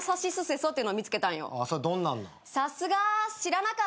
それどんなんなん？